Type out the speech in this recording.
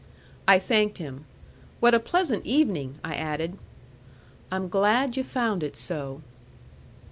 I thanked him. "What a pleasant evening!" I added. "I'm glad yu' found it so."